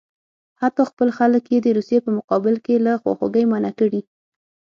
حتی خپل خلک یې د روسیې په مقابل کې له خواخوږۍ منع کړي.